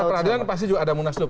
pra peradilan pasti juga ada munaslup